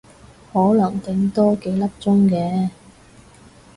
可能頂多幾粒鐘嘅